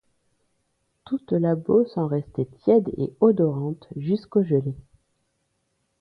Toute la Beauce en restait tiède et odorante, jusqu’aux gelées.